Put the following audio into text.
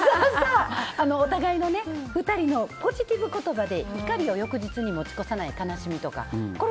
お互いの２人のポジティブ言葉で怒り悲しみを翌日に持ち越さない。